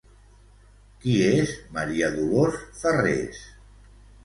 Qui és Maria Dolors Farrés?